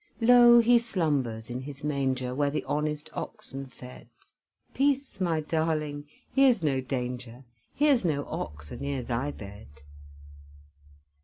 Lo, He slumbers in His manger, Where the honest oxen fed; Peace, my darling! here's no danger! Here's no ox a near thy bed!